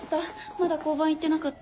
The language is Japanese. まだ交番行ってなかった。